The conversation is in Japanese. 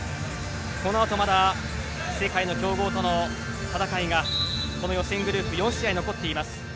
このあと、まだ世界の強豪との戦いがこの予選グループ４試合残っています。